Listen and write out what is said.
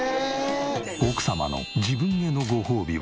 奥様の自分へのごほうびは。